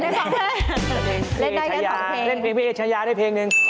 เล่นเพลงด้วยเอชญาเล่นเพลงด้วยเอชญาได้เพลงหนึ่ง